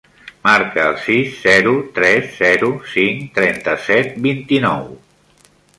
Marca el sis, zero, tres, zero, cinc, trenta-set, vint-i-nou.